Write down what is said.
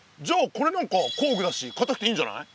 これなんか工具だし硬くていいんじゃない？